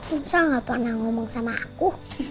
om sal gak pernah ngomong sama aku